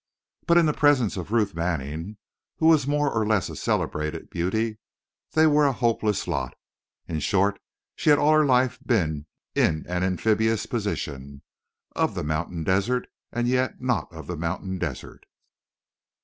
But in the presence of Ruth Manning, who was a more or less celebrated beauty, they were a hopeless lot. In short, she had all her life been in an amphibious position, of the mountain desert and yet not of the mountain desert.